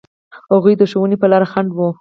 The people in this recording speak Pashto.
هغوی د ښوونې په لاره خنډ و.